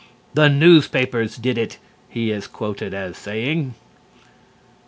"The newspapers did it," he is quoted as saying.